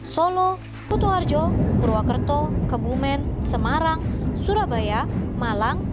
solo kutu harjo purwakerto kebumen semarang surabaya malang